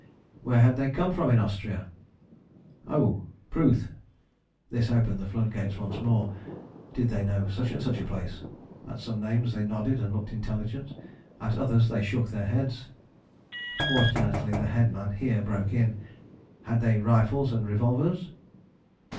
Where had they come from in Austria? Oh, Pruth! This opened the flood gates once more. Did they know such and such a place? At some names they nodded and looked intelligent: at others they shook their heads. Fortunately the headman here broke in. Had they rifles and revolvers?